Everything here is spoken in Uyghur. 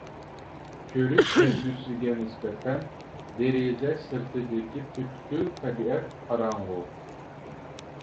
كۆرۈش سەزگۈسىگە نىسبەتەن دېرىزە سىرتىدىكى پۈتكۈل تەبىئەت قاراڭغۇ.